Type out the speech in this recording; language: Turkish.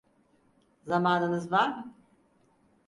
Zamanınız var mı?